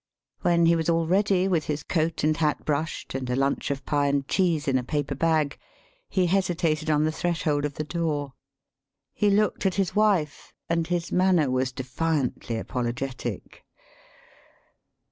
[When he was all ready, with his coat and hat brushed, and a lunch of pie and cheese in a paper bag, he hesi tated on the threshold of the door. He looked at his wife, and his manner was defiantly apolo getic.